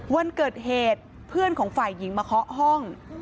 วันเกิดเหตุเพื่อนของฝ่ายหญิงมาเคาะห้อง